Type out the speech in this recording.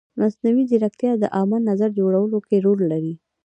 مصنوعي ځیرکتیا د عامه نظر جوړولو کې رول لري.